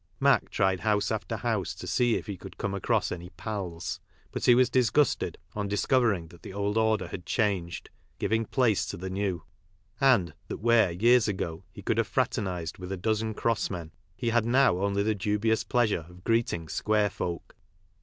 Mac tried house after house to see if he could come across any "pals," but he was disgusted on discovering that the old order had changed, " giving place to the new," and that where, years ago, he could have fraternised with a dozen cross men, he had now only the dubious pleasure of greeting square folk.